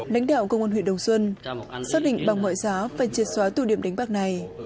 lãnh đạo công an huyện đồng xuân xác định bằng mọi giá phải triệt xóa tụ điểm đánh bạc này